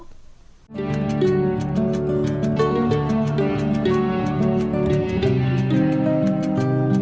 hãy đăng ký kênh để ủng hộ kênh của mình nhé